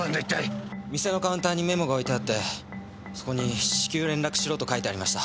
店のカウンターにメモが置いてあってそこに至急連絡しろと書いてありました。